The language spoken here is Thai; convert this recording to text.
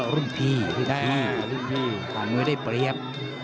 รุ่นที่แท้รุ่นที่ความเมื่อยได้เปรียบ